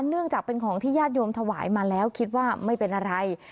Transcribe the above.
เนื่องจากเป็นของที่ญาติโยมถวายมาแล้วคิดว่าไม่เป็นอะไร